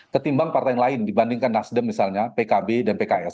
ketimbang partai yang lain dibandingkan nasdem misalnya pkb dan pks